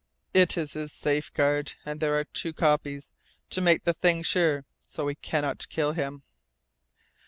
It is his safeguard. And there are two copies to make the thing sure. So we cannot kill him.